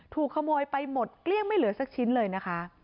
ถูกขโมยไปหมดเกลี้ยงไม่เหลือสักชิ้นเลยนะคะ